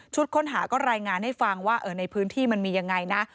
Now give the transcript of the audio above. ค้นหาก็รายงานให้ฟังว่าในพื้นที่มันมียังไงนะ